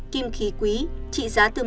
kim khí quý trị giá từ